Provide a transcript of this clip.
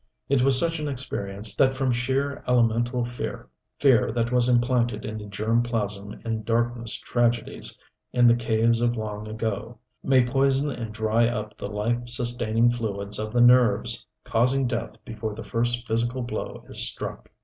It was such an experience that from sheer, elemental fear fear that was implanted in the germ plasm in darkness tragedies in the caves of long ago may poison and dry up the life sustaining fluids of the nerves, causing death before the first physical blow is struck.